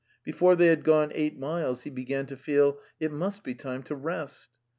Before they had gone eight miles he began to feel "It must be time to rest.